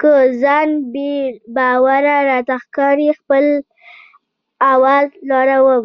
که ځان بې باوره راته ښکاري خپل آواز لوړوم.